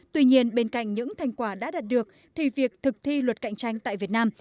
tuy nhiên bên cạnh những thành quả đã đạt được thì việc thực thi luật cạnh tranh tại việt nam